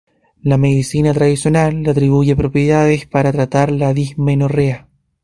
La medicina tradicional le atribuye propiedades para tratar la dismenorrea.